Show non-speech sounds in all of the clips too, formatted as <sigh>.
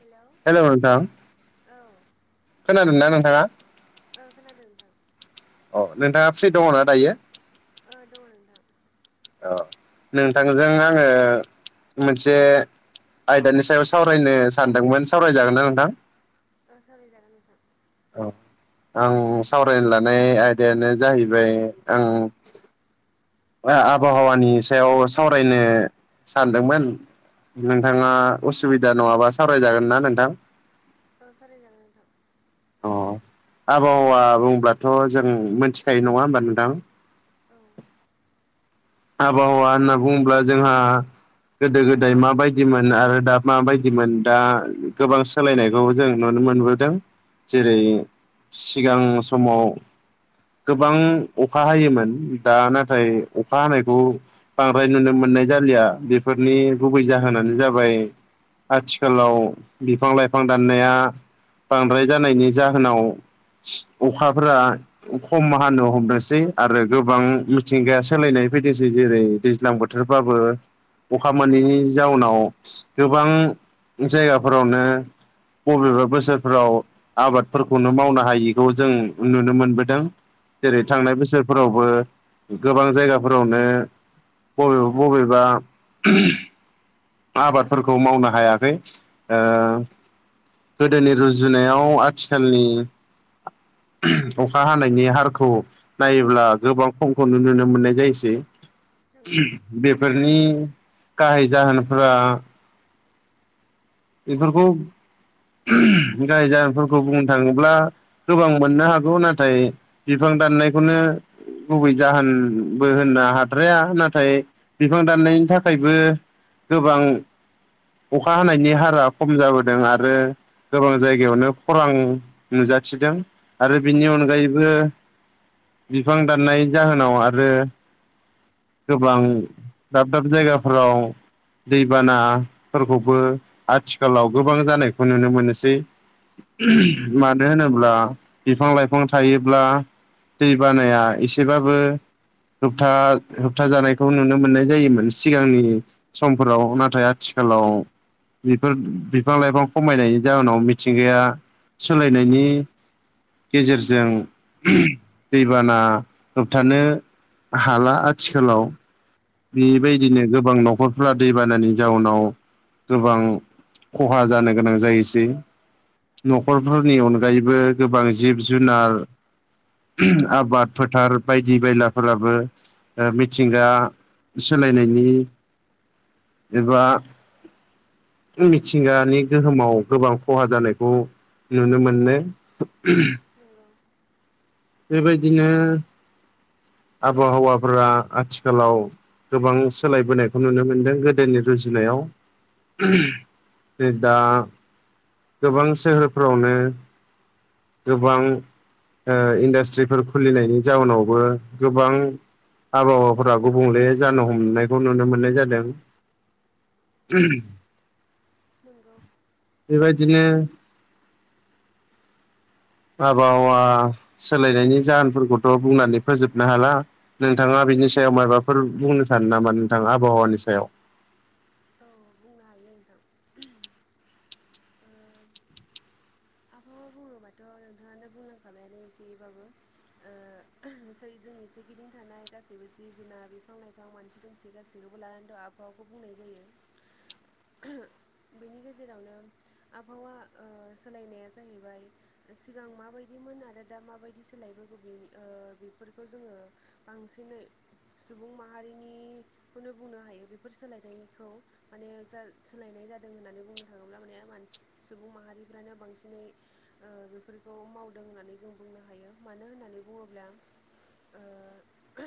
Hello hello नोंथां औ खोनादों ना नोंथाङा? ओ खोनादों नोंथां। अ नोंथाङा फ्रि दङना दायो। ओ दङ नोंथां। औ नोंथांजों आङो मोनसे आयदानि सायाव सावरायनो सानदोंमोन सावरायजागोनना नोंथां? औ सावराय जागोन नोंथां। औ आं सावरायनो लानाय आयदायानो जाहैबाय आं आबहावानि सायाव सावरायनो सानदोंमोन। नोंथाङा उसुबिदा नङाबा सावरायजागोन ना नोंथां? औ सानराय जागोन नोंथां। अ आबहावा बुंब्लाथ' जों मोनथिखायो नङा होमबा नोंथां? औ आबहावा होनना बुङोब्ला जोंहा गोदो गोदाय माबायदिमोन आरो दा माबायदिमोन दा गोबां सोलायनायखौ जों नुनो मोनबोदों जेरै सिगां समाव गोबां अखा हायोमोन दा नाथाय अ खा हानायखौ बांद्राय नुनो मोननाय जालिया बेफोरनि गुबै जाहोनानो जाबाय आथिखालाव बिफां लाइफां दाननाया बांद्राय जानायनि जाहोनाव अखाफोरा खमा हानो हमनोसै आरो गोबां मिथिंगाया सोलायनाय फैदिसै जेरै दैज्लां बोथोरबाबो अखा मोनैनि जाउनाव गोबां जायगाफोरावनो बबेबा बोसोरफ्राव आबादफोरखौनो मावनो हायिखौ जों नुनो मोनबोदों। जेरै नंगौ। थांनाय बोसोरफोरावबो गोबां जायगाफोरावनो बबेबा बबेबा आबादफोरखौ मावनो हायाखै। गोदोनि रुजुनायाव आथिखालनि अखा हानायनि हारखौ नायोब्ला गोबां खमखौ नुुनो मोननाय जायोसै। नंगौ बेफोरनि गाहाय जाहोनफोरा बेखौ गाहाय जाहोनफोरखौ बुंनो थाङोब्ला गोबां मोननो हागौ। नाथाय बिफां दाननायखौनो गुबै जाहोनबो होननो हाद्राया। नाथाय बिफां दाननायनि थाखायबो गोबां अखा हानायनि हार फोरा खम जाबोदों आरो गोबां जायगायावनो खनरां नुजाथिदों। आरो बिनि नंगौ। अनगायैबो बिफां दाननाय जाहोनाव आरो गोबां दाब दाब जायगाफोराव। दैबानाफोरखौबो आथिखालाव गोबां जानायखौ नुनो मोनसै नंगौ मानो होनोब्ला। बिफां लाइफां थायोब्ला दै बानाया एसेबाबो होबथा होबथा जानायखौ नुनो मोननाय जायोमोन सिगांनि समफोराव नाथाय आथि खालाव बेफोर बिफा- लाइफां खमायनायनि जाहोनाव मिथिंगाया सोलायनायनि गेजेरजों दैबाना होबथानो हाला आथिखालाव नि नंगौ बायदिनो गोबां न'खरफ्रा। दैबानानि जाउनाव गोबां खहा जानो गोनां जायोसै। न'खरफोरनि अनगायैबो गोबां जिब-जुनार आबाद फोथार बायदि बायलाफोराबो मिथिंगा। सोलायनायनि एबा मिथिंगानि गोहोमाव गोबां ख'हा जानायखौ नुनो मोनो। नंगौ बेबायदिनो आबहावाफोरा आथिखालाव गोबां सोलायबोनायखौ नुनो मोनदों गोदोनि रुजुनायाव। नै दा गोबां सोहोरफ्रावनो गोबां ओ इन्डास्ट्रिफोर खुलिनायनि जाउनावबो गोबां। आबहावाफोरा गुबुंले जानो हमनायखौ नुनो मोननाय जादों। <unintelligible> <unintelligible> बेबायदिनो आबहावा सोलायनायनि जाहोनफोरखौथ' बुंनानै फोजोबनो हाला नोंथाङा। बिनि सायाव माबाफोर बुंनो सानो नामा नोंथां आबहावानि सायाव। औ बुंनो हायो नोंथां ओ <inaudible> आबहावा बुङोबाथ' नोंथाङानो बुंलांखाबायानो एसेबाबो। ओ जोंनि सेगिदिं थानाय गासैबो जिब-जुनार, बिफां-लाइफां मानसि दुमसि गासैबो आबहावाखौ बुंनाय जायो। <inaudible> बेनि गेजेरावनो आबहावा ओ सोलायनाया जाहैबाय सिगां माबायदि मोन। आरो दा माबायदि सोलायबोगौ बेनि बेफोरखौ जोङो बांसिनै। सुबुं माहारिनिखौनो बुंनो हायो बेफोर सोलायनायखौ। माने जा सोलायनाय जादों होननानै बुंनो थाङोब्ला माने मानसि सुबुं माहारिफ्रानो बांसिनै। बेफोरखौ मावदों होननानै जों बुंनो हायो मानो होननानै बुङोब्ला।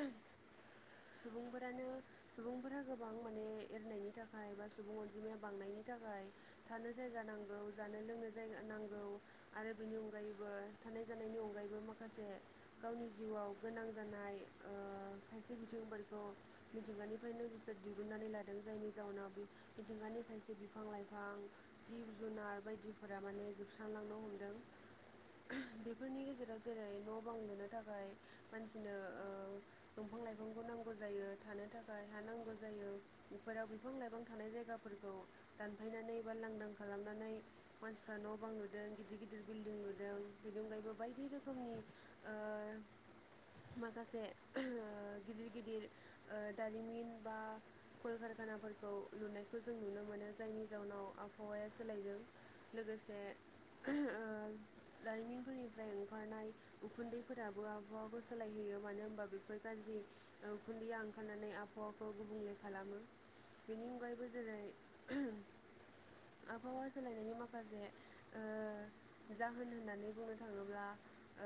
ओ सुबुंफोरानो सुबुंफोरा गोबां माने एरनायनि थाखाय। थाखाय बा सुबुं अनजिमाया बांनायनि थाखाय थानो जायगा नांगौ जानो लोंनो जाया नांगौ। आरो बेनि अनगायैबो थानाय जानायनि अनगायैबो माखासे गावनि जिउआव गोनां जानाय। ओ खायसे बिथिंफोरखौ मिथिंगानिफ्रायनो बिसोर दिरुननानै लादों जायनि जाउनाव मिथिंगानि खायसे बिफां-लाइफां, जिब-जुनार बायदिफोरा माने जोबस्रांलांनो हम <inaudible> बेफोरनि गेजेराव जेरै न' बां लुनो थाखाय मानसिनो ओ बिफां-लाइफांखौ नांगौ जायो थानो थाखाय हा नांगौ जायो बेफोराव बिफां-लाइफां। थानाय जायगाफोरखौ दानफायनानै बा लांदां खालामनानै मानसिफ्रा न' बां लुदों गिदिर गिदिर गिदिर बिल्डिं लुदों बेनि अनगायैबो बायदि रोखोमनि ओ माखासे गिदिर गिदिर ओ दारिमिन बा कल कार खानाफोरखौ लुनायखौ जों नुनो मोनो जायनि जाउनाव आबहावाया सोलायदों लोगोसे ओ दारिमिनफोरनिफ्राय ओंखारनाय उखुन्दैफोराबो आबहाखौ सोलायहयो मानो होनबा बेफोर गाज्रि ओ उखुन्दैया ओंखारनानै आबहावाखौ गुबुंले खालामो बेनि अनगायैबो जेरै आबहावा सोलायनायनि माखासे ओ जाहोन होननानै बुंनो थाङोब्ला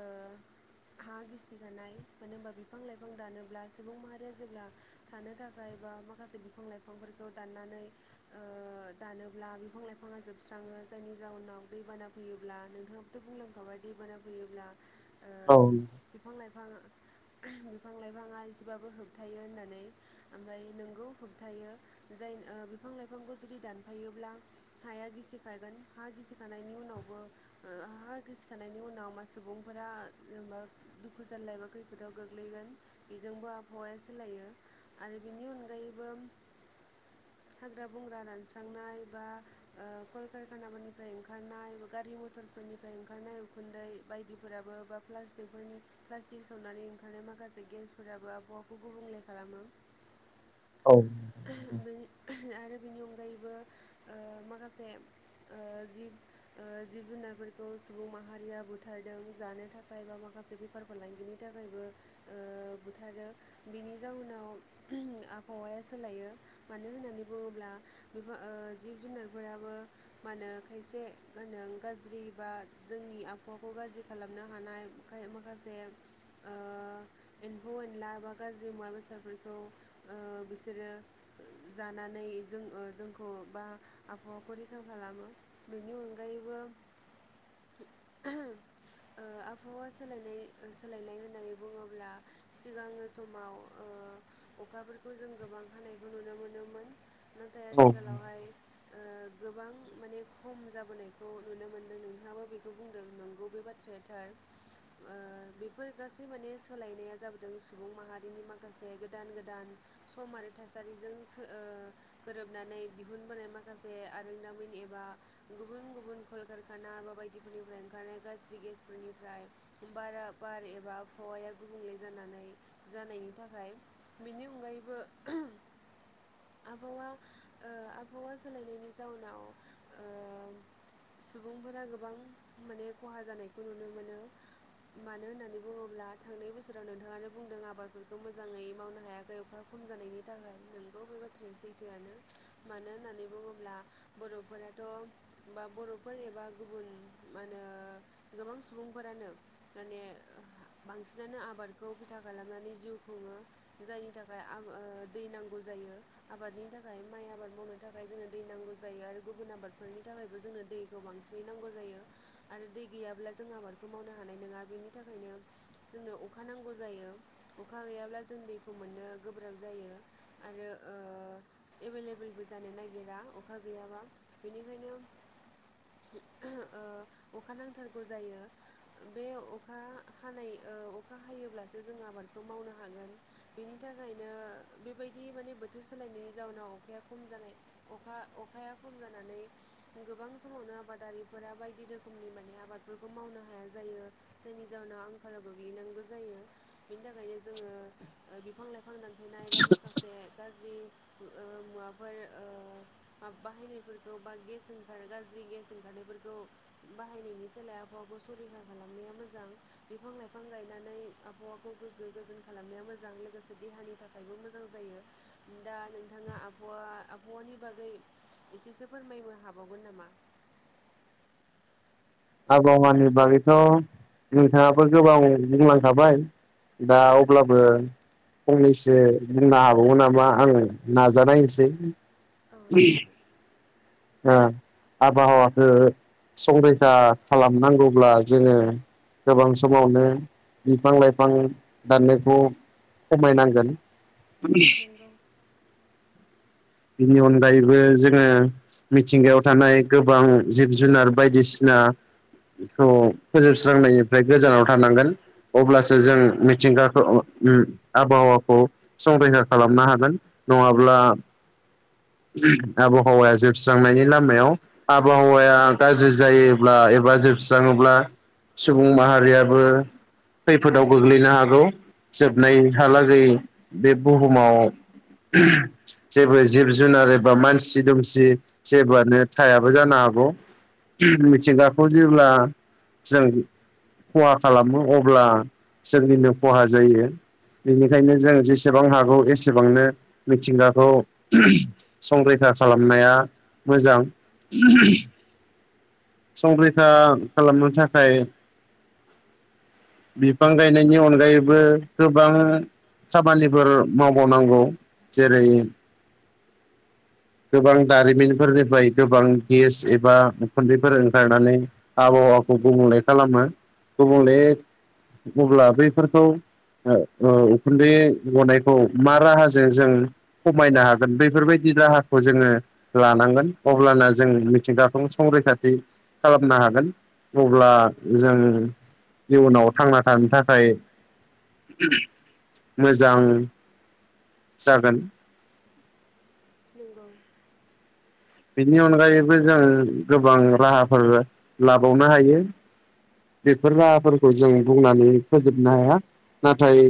ओ हा गिसि गानाय मानो होनोबा बिफां लाइफां दानोब्ला सुबुं माहारिया जेब्ला थानो थाखाय बा माखासे बिफां लाइ फांफोरखौ दाननानै ओ दानोब्ला बिफां लाइफाङा जोबस्राङो जायनि जाउनाव बे दैबाना फैयोब्ला नोंथाङाबोथ' बुंलांखाबाय दैबाना फैयोब्ला ओ औ बिफां लाइफां बिफां लाइफाङा एसेबाबो होबथायो होननानै ओमफ्राय नोंगौ होबथायो जाय बिफां लाइफांखौ जुदि दानफायोब्ला हाया गिसिखागोन हा गिसिखानायनायनि उम नावबो ओ हा गिसि खानायनि उनाव मा सुबुंफोरा जेनबा दुखु जाला एबा खैफोदाव गोग्लैगोन बेजोंबो आबहावाया सोलायो आरो बिनि अनगायैबो <inaudible> हाग्रा बंग्रा रानस्रांनाय बा कलकारखानाफोरनिफ्राय ओंखारनाय बा गारि म टरफोरनिफ्राय ओंखारनाय उखुन्दै बायदिफोराबो बाटिफोरनि प्लास्टिक संनानै ओंखारनाय मा खासे गेस्टफोराबो आबहावाखौ गुबुंले खालामो। औ बेनि आरो बिनि ओ अनगायैबो माखासे ओ जिब ओ जिब जुनारफोरखौ सुबुं माहारिया बुथारदों जानो थाखाय बा माखासे बेफार फालांगिनि थाखायबो ओ बुथारो बेनि जाउनाव आबहावाया सोलायो मानो होननानै बुङोब्ला जिब जुनारफोराबो मा होनो खाय से गोनां <unintelligible> गाज्रि बा जोंनि आबहावाखौ गाज्रि खालामनो हानाय माखासे ओ एम्फौ एनला बा गाज्रि मुवा बेसादफोरखौ ओ बिसोरो जानानै जों जोंखौ बा आबहावाखौ रैखा खालामो बिनि अनगायैबो <inaudible> ओ आबहावा सोलायनाय सोलायनाय होननानै बुङोब्ला सिगांनि समाव ओ अखाफोरखौ जों गोबां हानायखौ नुनो मोनोमोन नाथाय औ आथिखालावहाय ओ <inaudible> गोबां माने खम जाबोनायखौ नुनो मोनदों नोंथाङाबो बेखौ बुंदों नंगौ बे बाथ्राया थार ओ बेफोर गासै माने सोलायनाया जाबोदों सुबुं माहारिनि माखासे गोदान गोदान सम आरो थासारिजों ओ गोरोबनानै दिहुनबोनाय माखासे आरोंदामिन एबा गुबुन गुबुन कलकारखाना बा बायदिफोरनिफ्राय ओंखारनाय गाज्रि गेसफोरनिफ्राय बारा बार एबा हौवाया गुबुंले जानानै जानायनि थाखाय बिनि अनगायै <inaudible> आबहावा आबहावा सोलायनायनि जाउनाव सुबुंफोरा गोबां माने खहा जानायखौ नुनो मोनो। मानो होननानै बुङोब्ला थांनाय बोसोराव नोंथाङानो बुंदों आबादफोरखौ मोजाङै मावनो हायाखै अखा खम जानायनि थाखाय नोंगौ बे बाथ्राया सैथोआनो मानो होननानै बुङोब्ला बर'फोरा थ' बा बर'फोर एबा गुबुन मा होनो गोबां सुबुंफोरानो माने बांसिनानो आबादखौ बिथा खालामनानै जिउ खुङो जायनि थाखाय दै नांगौ जायो आबादनि थाखाय माइ आबाद मावनो थाखाय जोंनो दै नांगौ जायो आरो गुबुन आबादफोरनि थाखायबो जोंनो दैखौ बांसिनै नांगौ जायो आरो दै गैयाब्ला जों आबादखौ मावनो हा नाय नङा बेनि थाखायनो जोंनो अखा नांगौ जायो अखा गैयाब्ला जों दैखौ मोननो गोब्राब जायो आरो एभेलेबोेलबो जानो नागिरा अखा गैयाब्ला बेनिखायनो अखा नांथारगौ जायो। बे अखा हानाय अखा हायोब्लासो जों आबादखौ मावनो हागोन बेनि थाखायनो बेबायदि माने बोथोर सोलायनायनि जावोनाव अखाया खम जानाय अखा अखाया खम जानानै गोबां समावनो आबादारिफोरा बायदि रोखोमनि माने आबादफोरखौ मावनो हाया जायो। जायो जायनि जाहोनाव आंखालाबो गोलैनांगौ जायो। बिनि थाखायनो जोङो बिफां लाइफां दानफैनाय बा माखासे गाज्रि <inaudible> ओ मुवाफोर ओ माब बाहायनायफोरखौ बा गेस ओंखार गाज्रि गेस ओंखारनायफोरखौ बाहायनायनि सोलाय आबहावाखौ सरिखा खालामनाया मोजां बिफां लाइफां गायनानै आबहावा खौ गोगो गोजोन खालामनाया मोजां गोसो देहानि थाखायबो मोजां जायो दा नोंथाङा आबहावा आबहावानि बागै एसेसो फोरमायनो हाबावगोन नामा? <unintelligible> आबहावानि बागैथ' नोंथाङाबो गोबां बुंलांखाबाय। दा औ अब्लाबो फंनैसो बुंनो हाबावगो नामा आङो नाजानायनोसै। औ जागोन दे ओ आबहावखौ संरैखा खालामनांगौब्ला जोङो गोबां समावनो बिफां लाइफां दाननायखौ खमायनांगोन। बिनि अनगायैबो जोङो मिथिंगायाव थानाय गोबां जिब जुनार बायदिसिना खौ फोजोबस्रांनायनिफ्राय गोजानाव थानांगोन। अब्लासो जों मिथिंगाखौ उम आबहावाखौ संरैखा खालामनो हागोन नङाब्ला आबहावाया जोबस्रांनायनि लामायाव आबहावाया गाज्रि जायोब्ला ए बा जोबस्राङोब्ला सुबुं माहारियाबो खैफोदाव गोग्लैनो हागौ जोबनायहालागै बे बुहुमाव जेबो जिब जुन जुनार एबा मानसि दुमसि जेबोआनो थायाबो जानो हागौ। नंगौ मिथिंगाखौ जेब्ला जों खहा खालामो अब्ला जोंनिनो खहा जायो। बेनिखायनो जों नंगौ जेसेबां हागौ एसेबांनो मिथिंगाखौ संरैखा खालामनाया मोजां संरैखा खालामनो थाखाय बिफां गायनायनि अनगायैबो गोबां खामानिफोर मावबावनांगौ जेरै गोबां दारिमिनफोरनिफ्राय गोबां गेस एबा उखुन्दैफोर ओंखारनानै आब हावाखौ गुबुंले खालामो गुबुंले अब्ला बैफोरखौ ओ उखुन्दै गनायखौ मा राहाजों जों खमायनो हागोन बैफोरबायदि राहा खौ जोङो लानांगोन अब्लाना जों मिथिंगाखौ संरैखाथि खालामनो हागोन अब्ला जों इयुनाव थांना थानो थाखाय मोजां जागोन नंगौ बेनि अनगायैबो जों गोबां राहाफोर लाबावनो हायो। बेफोर राहाफोरखौ जों बुंनानै फोजोबनो हाया नाथाय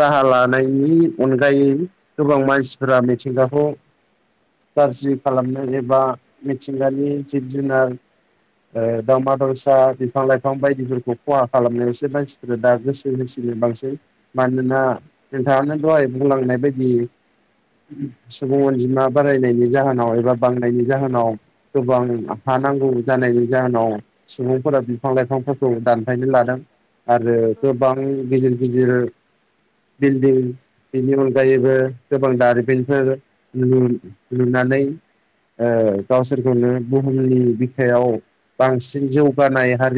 राहा लानाय नि अनगायै गोबां मानसिफोरा मिथिंगाखौ गाज्रि खालामनो एबा मिथिंगानि जिब जुनार ओ दाउमा दाउसा बिफां लायफां बिफां बायदिफोरखौ खहा खालामनायावसो मानसिफोरा दा गोसो होसिनो बांसिन मानोना नोंथाङानो दहाय बुंलांनाय बायदि सुबुं अनजिमा बारायनायनि जाहोनाव एबा बांनायनि जाहोनाव गोबां हा नांगौ जानायनि जाहोनाव सुबुंफोरा बिफां लाइफांफोरखौ दानफायनो लादों आरो नंगौ गोबां गिदिर गिदिर बिल्दिं बेनि अनगायैबो गोबां दारिमिनफोर लु लुना नैै ओ गावसोरखौनो बुहुमनि बिखायाव बांसिन जौगानाय हारि